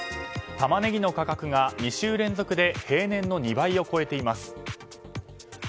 タマネギの価格が２週連続で平年の２倍を超えています。